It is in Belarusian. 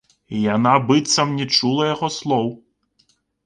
Яна быццам не чула яго слоў.